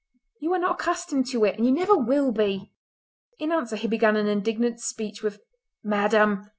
You are not accustomed to it—and you never will be!" In answer he began an indignant speech with: "Madam!"